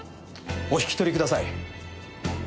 お引き取りください。